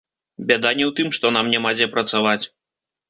Бяда не ў тым, што нам няма дзе працаваць.